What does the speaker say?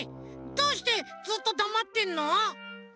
どうしてずっとだまってんの？